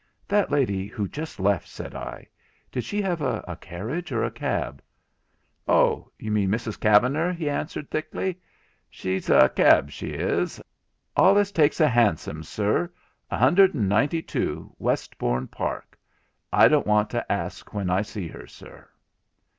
'That lady who just left,' said I, 'did she have a carriage or a cab ?' 'Oh, you mean Mrs Kevenner,' he answered thickly, 'she's a keb, she is, allus takes a hansom, sir; 192, Westbourne Park; I don't want to ask when I see her, sir.'